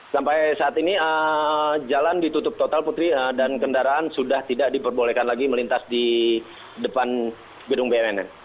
sampai saat ini jalan ditutup total putri dan kendaraan sudah tidak diperbolehkan lagi melintas di depan gedung bnn